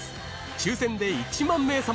抽選で１万名様に！